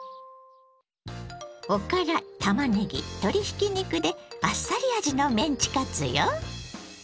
おからたまねぎ鶏ひき肉であっさり味のメンチカツよ。